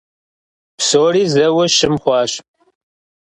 Псори зэуэ щым хъуащ.